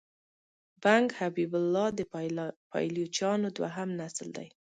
بنګ حبیب الله د پایلوچانو دوهم نسل دی.